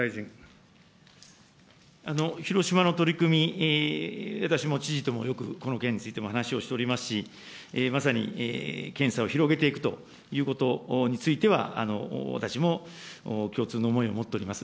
広島の取り組み、私も知事ともよく、この件についても話をしておりますし、まさに検査を広げていくということについては、私も共通の思いを持っております。